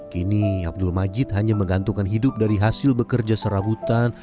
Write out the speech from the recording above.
kini abdul majid hanya menggantungkan hidup dari hasil bekerja serabutan